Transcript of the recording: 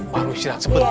baru syirah sebentar